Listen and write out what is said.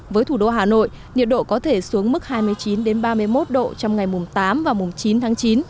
với thủ đô hà nội nhiệt độ có thể xuống mức hai mươi chín ba mươi một độ trong ngày mùng tám và mùng chín tháng chín